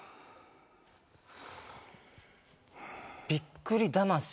「びっくり魂」